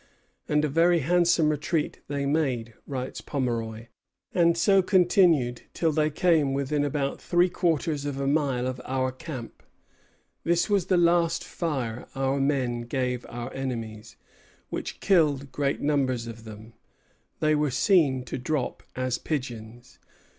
"And a very handsome retreat they made," writes Pomeroy; "and so continued till they came within about three quarters of a mile of our camp. This was the last fire our men gave our enemies, which killed great numbers of them; they were seen to drop as pigeons."